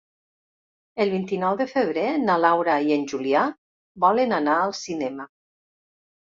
El vint-i-nou de febrer na Laura i en Julià volen anar al cinema.